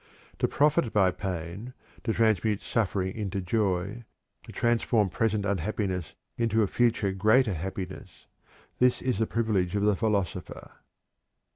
To profit by pain, to transmute suffering into joy, to transform present unhappiness into a future greater happiness this is the privilege of the philosopher.